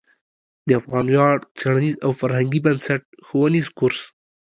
د افغان ویاړ څیړنیز او فرهنګي بنسټ ښوونیز کورس